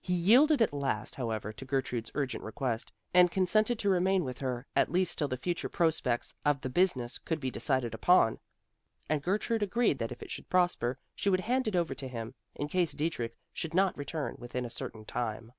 He yielded at last, however, to Gertrude's urgent request, and consented to remain with her at least till the future prospects of the business could be decided upon; and Gertrude agreed that if it should prosper she would hand it over to him, in case Dietrich should not return within a certain time.